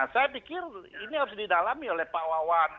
saya pikir ini harus didalami oleh pak wawan